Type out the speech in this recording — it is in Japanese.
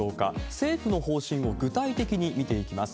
政府の方針を具体的に見ていきます。